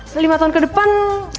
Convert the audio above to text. lima tahun ke depan